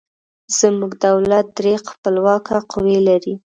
زموږ دولت درې خپلواکه قوې لري.